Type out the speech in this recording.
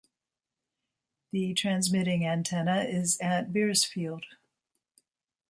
The transmitting antenna is at Beresfield.